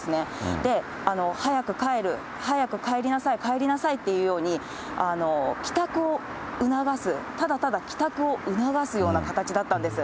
で、早く帰る、早く帰りなさい、帰りなさいっていうように、帰宅を促す、ただただ帰宅を促すような形だったんです。